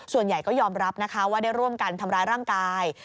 ส่วนใหญ่ก็ยอมรับนะคะว่าได้ร่วมกันทำร้ายร่างกาย